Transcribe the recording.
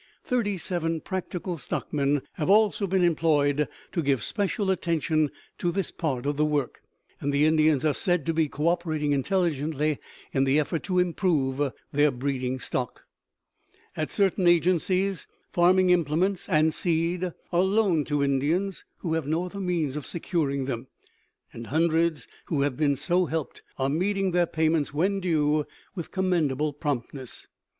Thirty seven practical stockmen have also been employed to give special attention to this part of the work, and the Indians are said to be coöperating intelligently in the effort to improve their breeding stock. At certain agencies farming implements and seed are loaned to Indians who have no other means of securing them, and hundreds who have been so helped are meeting their payments when due with commendable promptness.